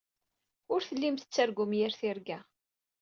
Ur tellim tettargum yir tirga.